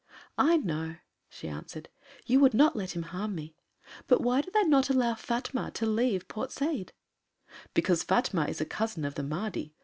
"I know," she answered, "you would not let him harm me. But why do they not allow Fatma to leave Port Said?" "Because Fatma is a cousin of the Mahdi.